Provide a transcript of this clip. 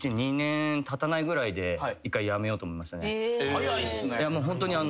早いっすね。